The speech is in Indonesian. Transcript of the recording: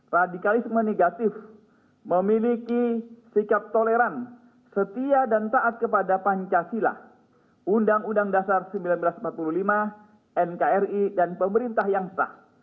radikalisme negatif memiliki sikap toleran setia dan taat kepada pancasila undang undang dasar seribu sembilan ratus empat puluh lima nkri dan pemerintah yang sah